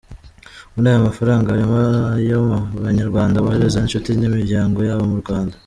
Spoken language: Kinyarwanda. Muri aya mafaranga harimo ayo aba banyarwanda bohereza inshuti n’imiryango yabo mu Rwanda.